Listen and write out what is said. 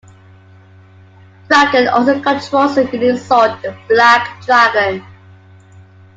Drakkon also controls a unique Zord, the Black Dragon.